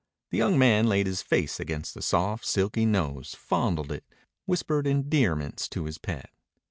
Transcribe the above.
The young man laid his face against the soft, silky nose, fondled it, whispered endearments to his pet.